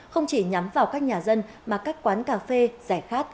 không chỉ nhắm vào các nhà dân mà các quán cà phê giải khát